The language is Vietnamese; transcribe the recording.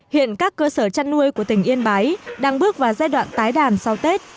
hiện các cơ sở chăn nuôi của tỉnh yên bái đang bước vào giai đoạn tái đàn sau tết